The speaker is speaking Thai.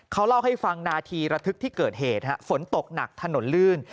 เขาเล่าให้ฟังนาทีระทึกที่เกิดเหตุฮะฝนตกหนักถนนลื่น